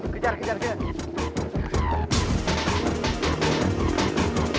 kejar kejar kejar